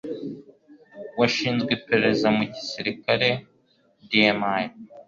washinzwe iperereza mu gisirikare DMI.